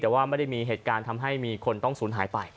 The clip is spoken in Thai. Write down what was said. แต่ว่าไม่ได้มีเหตุการณ์ทำให้มีคนต้องสูญหายไป